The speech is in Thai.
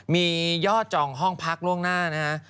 มียอดจองห้องพักล่วงหน้านะฮะ